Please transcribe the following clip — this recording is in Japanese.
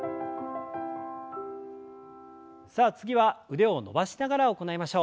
さあ次は腕を伸ばしながら行いましょう。